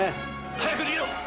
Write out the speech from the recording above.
早く逃げろ！